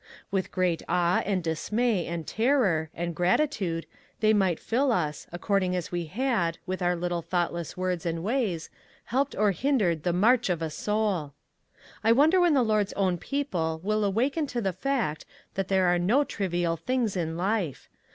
With what awe, and dismay, and terror, and gratitude, they might fill us, according as we had, with our little thoughtless words and ways, helped or 238 ONE COMMONPLACE DAY. •V hindered the march of a soul! I wonder when the Lord's own people will awaken to the fact that there are no trivial things in. life?